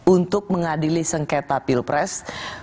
untuk mengadili sengketa pilpres